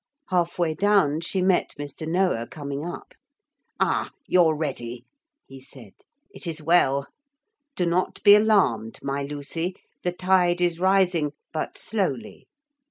Half way down she met Mr. Noah coming up. 'Ah! you're ready,' he said; 'it is well. Do not be alarmed, my Lucy. The tide is rising but slowly.